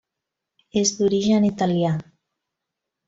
És d'origen italià.